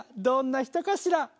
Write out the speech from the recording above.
どんな人かしら？